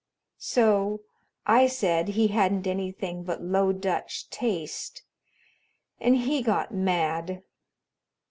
So I said he hadn't anything but Low Dutch taste, and he got mad.